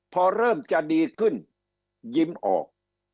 พอเริ่มจะดีขึ้นยิ้มออก